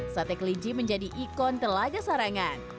sate kelinci menjadi ikon telaga sarangan